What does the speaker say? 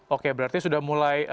oke berarti sudah mulai